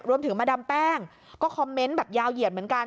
มาดามแป้งก็คอมเมนต์แบบยาวเหยียดเหมือนกัน